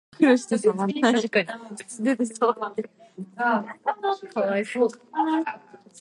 Беренче вариант.